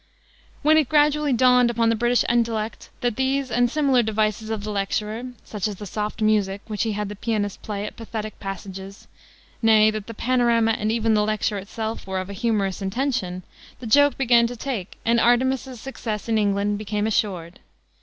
When it gradually dawned upon the British intellect that these and similar devices of the lecturer such as the soft music which he had the pianist play at pathetic passages nay, that the panorama and even the lecture itself were of a humorous intention, the joke began to take, and Artemus's success in England became assured.